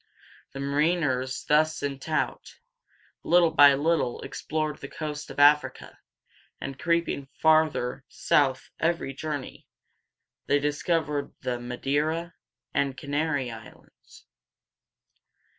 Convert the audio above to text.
The mariners thus sent out, little by little explored the coast of Africa, and creeping farther south every journey, they discovered the Ma dei´ra and Canary Islands.